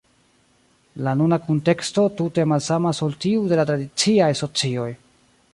La nuna kunteksto tute malsamas ol tiu de la tradiciaj socioj.